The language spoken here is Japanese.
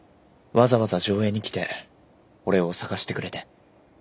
わざわざ条映に来て俺を捜してくれて。